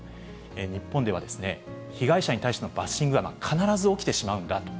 日本では、被害者に対してのバッシングが必ず起きてしまうんだと。